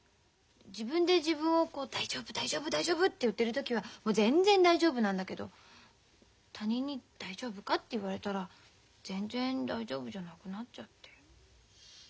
自分で自分をこう大丈夫大丈夫大丈夫！って言ってる時はもう全然大丈夫なんだけど他人に「大丈夫か？」って言われたら全然大丈夫じゃなくなっちゃって。